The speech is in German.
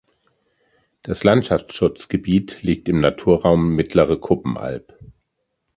Das Landschaftsschutzgebiet liegt im Naturraum Mittlere Kuppenalb.